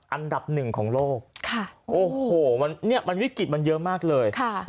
อันดับหนึ่งของโลกโอ้โหวิกฤตมันเยอะมากเลย